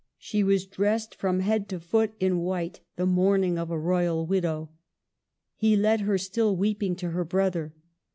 She was dressed from head to foot in white, the mourning of a royal widow. He led her, still weeping, to her brother.